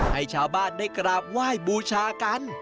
ให้ชาวบ้านได้กราบไหว้บูชากัน